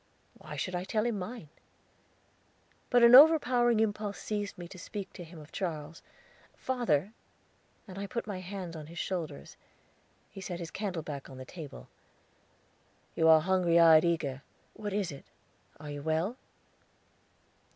"Why should I tell him mine?" But an overpowering impulse seized me to speak to him of Charles. "Father," and I put my hands on his shoulders. He set his candle back on the table. "You look hungry eyed, eager. What is it? Are you well?"